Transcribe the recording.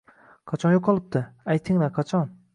Qachon yo’qolibdi? Aytinglar qachon?